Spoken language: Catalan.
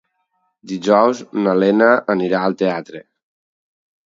Dijous na Lena anirà al teatre.